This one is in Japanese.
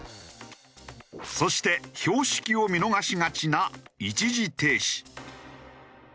そして標識を見逃しがちな一時停止。